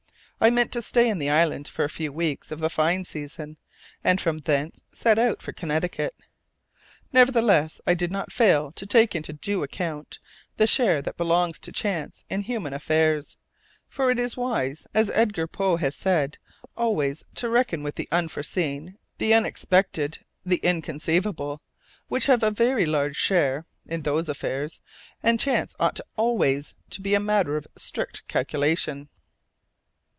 I meant to stay in the island for a few weeks of the fine season, and from thence set out for Connecticut. Nevertheless, I did not fail to take into due account the share that belongs to chance in human affairs, for it is wise, as Edgar Poe has said, always "to reckon with the unforeseen, the unexpected, the inconceivable, which have a very large share (in those affairs), and chance ought always to be a matter of strict calculation."